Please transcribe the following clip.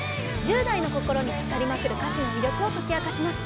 １０代の心に刺さりまくる歌詞の魅力を解き明かします。